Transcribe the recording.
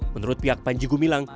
menurut pihak panjegu bilang